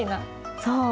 そう。